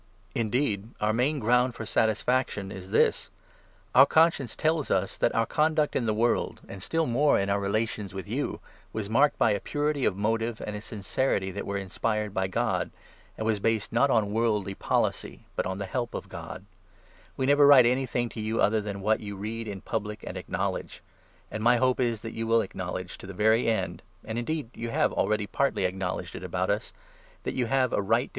The Purity Indeed, our main ground for satisfaction is 12 of his this — Our conscience tells us that our conduct in the Motives, world, and still more in our relations with you, was marked by a purity of motive and a sincerity that were inspired by God, and was based, not on worldly policy, but on the help of God. We never write anything to you other than what you 13 read in public apd acknowledge. And my hope is that you will acknowledge to the very end — and, indeed, you have 14 already partly acknowledged it about us — that you have a right to be proud of us, as we shall be proud of you, on the Day of our Lord Jesus.